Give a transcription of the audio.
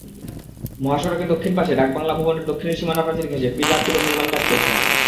মহাসড়কের দক্ষিণ পাশে ডাকবাংলো ভবনের দক্ষিণের সীমানাপ্রাচীর ঘেঁষে পিলার তুলে নির্মাণকাজ করছেন।